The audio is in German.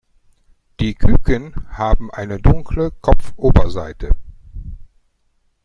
Die Küken haben eine dunkle Kopfoberseite.